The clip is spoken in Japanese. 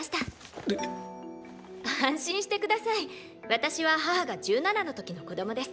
私は母が１７の時の子供です。